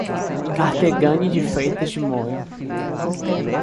Carteggane de Freitas de Moura